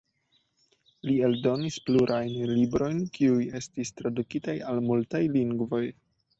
Li eldonis plurajn librojn, kiuj estis tradukitaj al multaj lingvoj.